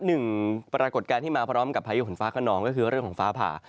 หนึ่งปรากฏการณ์ที่มาพร้อมกับพายุฝนฟ้าขนองก็คือเรื่องของฟ้าผ่า